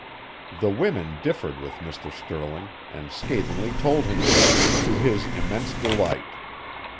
The women differed with Mr. Stirling and scathingly told him so, to his immense delight.